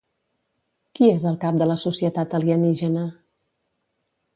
Qui és el cap de la societat alienígena?